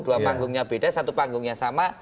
dua panggungnya beda satu panggungnya sama